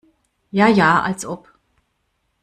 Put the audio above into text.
Ja ja, als ob!